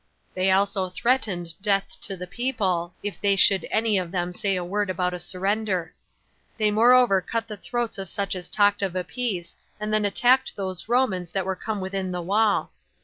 They also threatened death to the people, if they should any one of them say a word about a surrender. They moreover cut the throats of such as talked of a peace, and then attacked those Romans that were come within the wall.